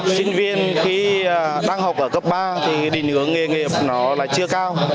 sinh viên khi đang học ở cấp ba thì định hướng nghề nghiệp nó là chưa cao